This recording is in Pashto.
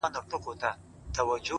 • خرڅوم به یې شیدې مستې ارزاني ,